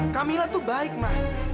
kamilah tuh baik ma